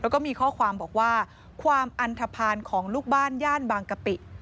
แล้วก็มีข้อความบอกว่าความอันทภาณของลูกบ้านย่านบางกะปิ